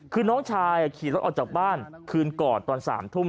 คือน้องชายขี่รถออกจากบ้านคืนก่อนตอน๓ทุ่ม